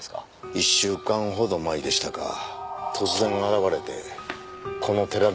１週間ほど前でしたか突然現れてこの寺で働きたいと。